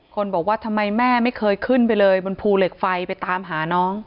คนบอกว่าทำไมแม่ไม่เคยขึ้นไปเลยบนภูเหล็กไฟไปตามหาน้อง